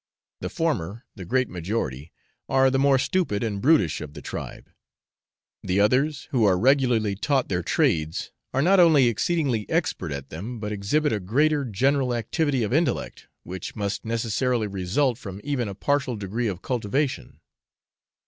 The former, the great majority, are the more stupid and brutish of the tribe; the others, who are regularly taught their trades, are not only exceedingly expert at them, but exhibit a greater general activity of intellect, which must necessarily result from even a partial degree of cultivation.